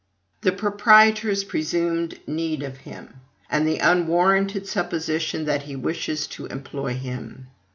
The proprietor's presumed need of him, and the unwarranted supposition that he wishes to employ him.